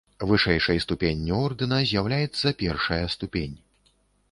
Вышэйшай ступенню ордэна з'яўляецца першая ступень.